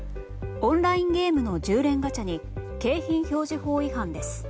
オンラインゲームの１０連ガチャに景品表示法違反です。